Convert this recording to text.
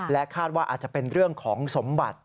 คาดว่าอาจจะเป็นเรื่องของสมบัติ